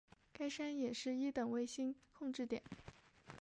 该山也是一等卫星控制点。